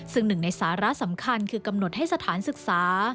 ซึ่งหนึ่งในสาระสำคัญคือกำหนดให้สถานศึกษา